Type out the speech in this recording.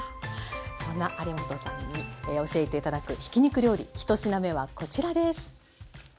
そんな有元さんに教えて頂くひき肉料理１品目はこちらです。